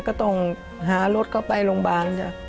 ก็ต้องหารถเข้าไปโรงพยาบาลจ้ะ